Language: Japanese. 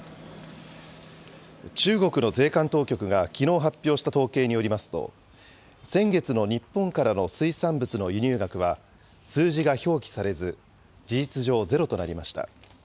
中国の税関当局がきのう発表した統計によりますと、先月の日本からの水産物の輸入額は、数字が表記されず、事実上、ゼロとなりました。